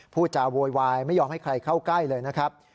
พูดจาโวยวายไม่ยอมให้ใครเข้าใกล้เลยนะครับ